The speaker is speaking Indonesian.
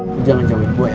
lu jangan jauhin gua ya